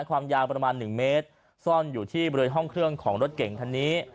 ความยาวประมาณ๑เมตรซ่อนอยู่ที่บริเวณห้องเครื่องของรถเก่งคันนี้